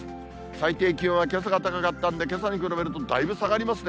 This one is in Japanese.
最低気温はけさが高かったんで、けさに比べるとだいぶ下がりますね。